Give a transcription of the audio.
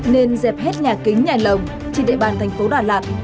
nên dẹp hết nhà kính nhà lồng trên địa bàn thành phố đà lạt